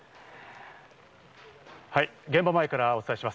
現場前からお伝えします。